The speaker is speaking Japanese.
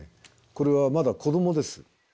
これはまだ子どもです。